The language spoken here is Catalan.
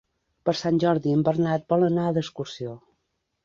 Per Sant Jordi en Bernat vol anar d'excursió.